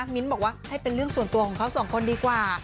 มิ้นท์บอกว่าให้เป็นเรื่องส่วนตัวของเขาสองคนดีกว่า